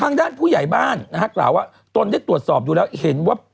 ทางด้านผู้ใหญ่บ้านนะฮะกล่าวว่าตนได้ตรวจสอบดูแล้วเห็นว่า